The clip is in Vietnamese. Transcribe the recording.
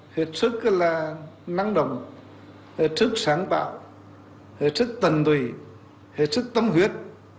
hết sức là năng động hết sức sáng bạo hết sức tần tùy hết sức tấm huyết